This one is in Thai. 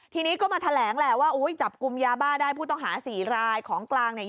ทีนี้ก็มาแถลงแหละว่าอุ้ยจับกลุ่มยาบ้าได้ผู้ต้องหาสี่รายของกลางเนี่ย